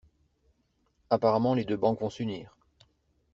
Apparemment les deux banques vont s'unir.